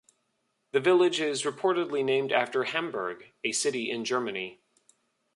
The village is reportedly named after Hamburg, a city in Germany.